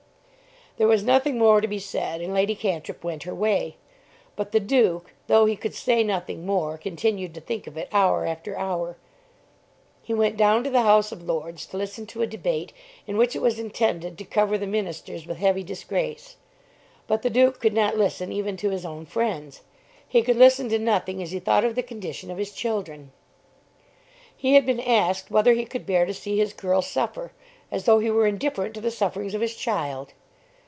There was nothing more to be said, and Lady Cantrip went her way. But the Duke, though he could say nothing more, continued to think of it hour after hour. He went down to the House of Lords to listen to a debate in which it was intended to cover the ministers with heavy disgrace. But the Duke could not listen even to his own friends. He could listen to nothing as he thought of the condition of his children. He had been asked whether he could bear to see his girl suffer, as though he were indifferent to the sufferings of his child.